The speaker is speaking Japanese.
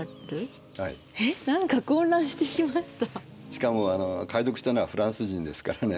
しかも解読したのはフランス人ですからね。